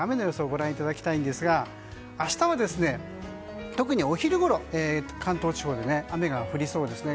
ご覧いただきたいんですが明日は特にお昼ごろ、関東地方で雨が降りそうですね。